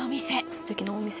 すてきなお店。